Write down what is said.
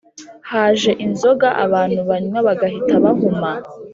Haje inzoga abantu banywa bagahita bahuma